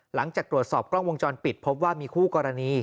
หลังจากตรวจสอบกล้องวงจรปิดพบว่ามีคู่กรณี